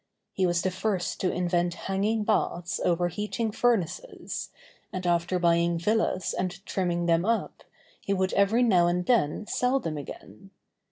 He was the first to invent hanging baths over heating furnaces, and after buying villas and trimming them up, he would every now and then sell them again.